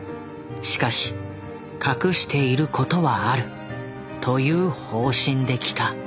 しかし隠していることはあるという方針できた」。